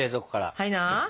はいな。